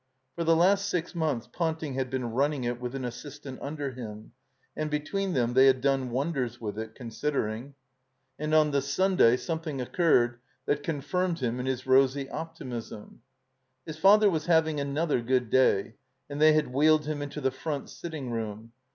For the last six months Ponting had been run ning it with an assistant imder him, and between them they had done wonders with it, considering. 330 THE COMBINED MAZE And on the Sunday something occtured that con* firmed him in his rosy optimism. His father was having another good day, and they had wheeled him into the front sitting room.